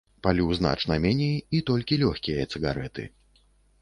Палю значна меней і толькі лёгкія цыгарэты.